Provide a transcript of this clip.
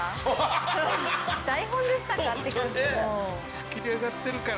「先に上がってるからね」